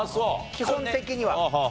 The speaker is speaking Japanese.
基本的には。